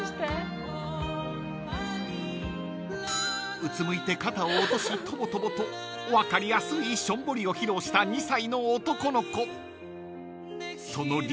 ［うつむいて肩を落としトボトボと分かりやすいしょんぼりを披露した２歳の男の子］